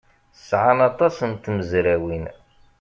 Sɛan aṭas n tmezrawin.